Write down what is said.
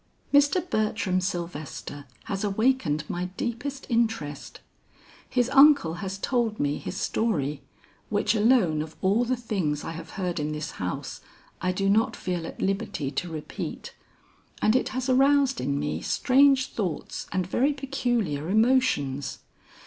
"Mr. Bertram Sylvester has awakened my deepest interest. His uncle has told me his story, which alone of all the things I have heard in this house, I do not feel at liberty to repeat, and it has aroused in me strange thoughts and very peculiar emotions.